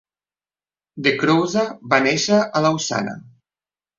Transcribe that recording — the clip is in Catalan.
De Crousaz va néixer a Lausana.